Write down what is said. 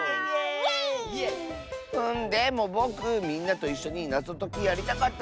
でもぼくみんなといっしょになぞときやりたかったなあ。